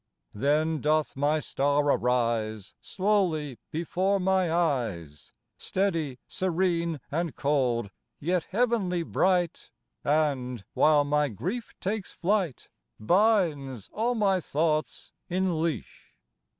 Then doth my star arise Slowly before my eyes, Steady, serene and cold, yet heavenly bright, And, while my grief takes flight, Binds all my thoughts in leash.